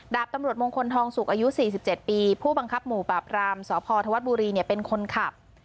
ดาบตำรวจมงคลทองสุกอายุ๔๗ปีผู้บังคับหมู่ปราบรามสพธวัฒนบุรีเป็นคนขับ